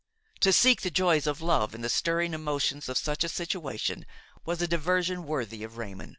To seek the joys of love in the stirring emotions of such a situation was a diversion worthy of Raymon.